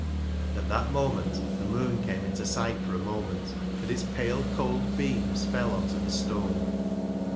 At that moment the moon came into sight for a moment, and, as its pale, cold beams fell on the stone.